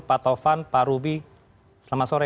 pak tovan pak ruby selamat sore